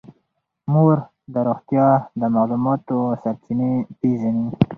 مور د روغتیا د معلوماتو سرچینې پېژني.